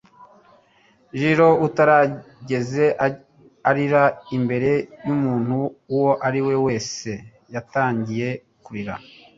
Jiro utarigeze arira imbere y'umuntu uwo ari we wese yatangiye kurira